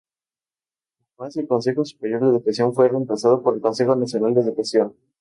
Además, el Consejo Superior de Educación fue reemplazado por el Consejo Nacional de Educación.